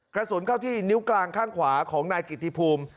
กระสุนเข้าที่นิ้วกลางข้างขวาของนายกิติภูมิ